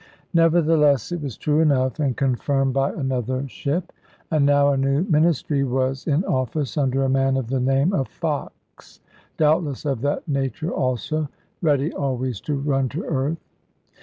Nevertheless it was true enough, and confirmed by another ship; and now a new Ministry was in office under a man of the name of Fox, doubtless of that nature also, ready always to run to earth.